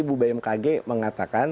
bagaimana mengerti bahwa istrinya